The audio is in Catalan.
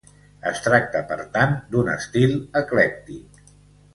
Es tracta per tant d'un estil eclèctic.